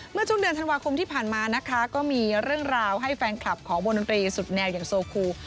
เมื่อช่วงเดือนธันวาคมที่ผ่านมานะคะก็มีเรื่องราวให้แฟนคลับของวงดนตรีสุดแนวอย่างโซคู